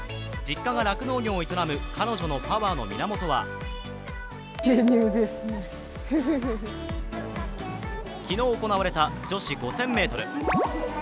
実家が酪農業を営む彼女のパワーの源は昨日行われた女子５０００ｍ。